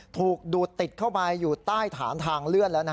ถูกดูดติดเข้าไปอยู่ใต้ฐานทางเลื่อนแล้ว